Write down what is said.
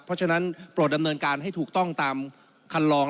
เพราะฉะนั้นโปรดดำเนินการให้ถูกต้องตามคันลอง